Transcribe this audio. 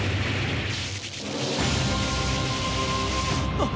あっ！